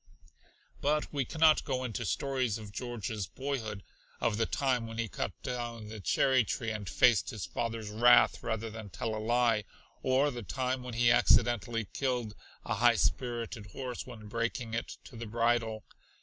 But we cannot go into stories of George's boyhood, of the time when he cut down the cherry tree and faced his father's wrath rather than tell a lie, or the time when he accidentally killed a high spirited horse when breaking it to the bridle.